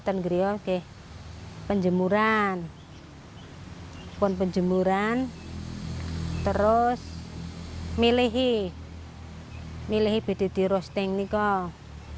tengeri oke penjemuran hai pun penjemuran terus milihi milih beda di roasting nih kok